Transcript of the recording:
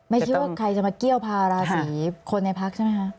ไม่ใช่ว่าใครจะมาเกี้ยวพาราศีคนในพักใช่ไหมคะ